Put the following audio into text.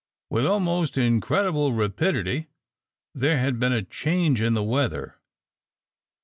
With almost incredible rapidity there had been a change in the weather.